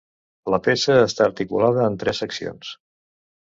La peça està articulada en tres seccions.